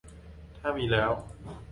ถ้ามีแล้ว